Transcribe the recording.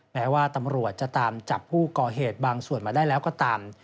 แม้ว่าตำรวจจะตามจับผู้ก่อเหตุบางส่วนมาได้แล้วก็ตาม